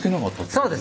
そうです。